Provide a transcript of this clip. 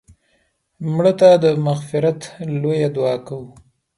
مړه ته د مغفرت لویه دعا کوو